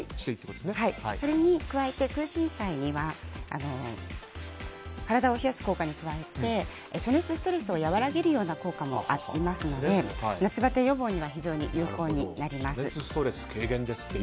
それに加えて空心菜には体を冷やす効果に加えて暑熱ストレスを和らげる効果もありますので夏バテ予防には非常に有効になります。